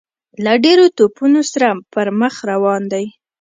له ډیرو توپونو سره پر مخ روان دی.